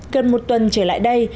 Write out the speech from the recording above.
gần một tuần trở lại đây